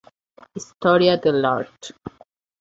Historia de l’art.